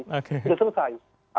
oke sudah selesai